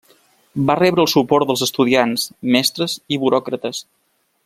Va rebre el suport dels estudiants, mestres i buròcrates.